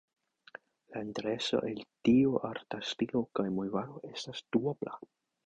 La intereso el tiu arta stilo kaj movado estas duobla.